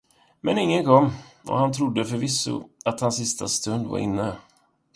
Men ingen kom, och han trodde förvisso, att hans sista stund var inne.